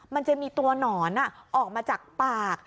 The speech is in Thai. มันจะมีตัวหนอนออกมาจากปาก